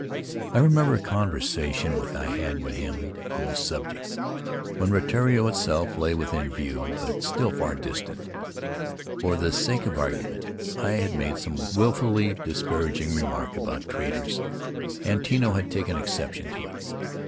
I remember a conversa tion which I had with him on the subject, when Rutiaro itself lay within view, but still far distant. For the sake of argument I had made some willfully disparaging remark about traders, and Tino had taken exception to it.